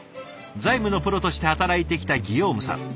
財務のプロとして働いてきたギヨームさん。